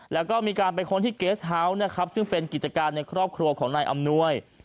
แล้วก็มีการไปค้นที่เกสเฮาส์นะครับซึ่งเป็นกิจการในครอบครัวของนายอำนวย